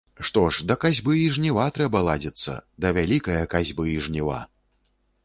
Што ж, да касьбы і жніва трэба ладзіцца, да вялікае касьбы і жніва.